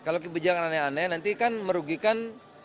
kalau kebijakan aneh aneh nanti kan merugikan